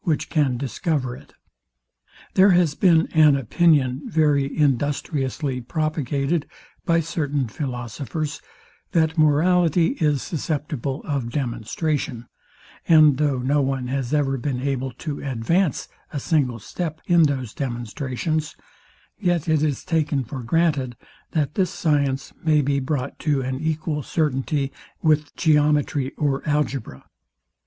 which can discover it. There has been an opinion very industriously propagated by certain philosophers, that morality is susceptible of demonstration; and though no one has ever been able to advance a single step in those demonstrations; yet it is taken for granted, that this science may be brought to an equal certainty with geometry or algebra.